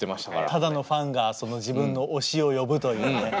ただのファンが自分の推しを呼ぶというね。